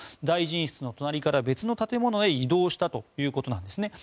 大臣室の隣から別の建物へ移動したということです。